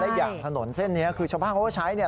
อย่างถนนเส้นนี้คือชาวบ้านเขาก็ใช้เนี่ย